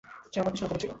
সে আমার পিছনে পড়েছিল।